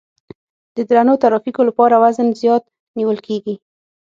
د درنو ترافیکو لپاره وزن زیات نیول کیږي